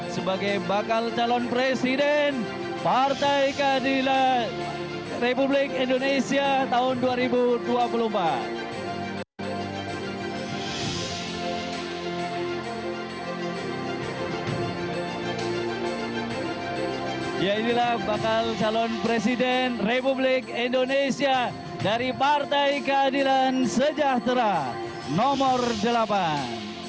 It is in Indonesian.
sebagai bakal calon presiden partai keadilan republik indonesia tahun dua ribu dua puluh empat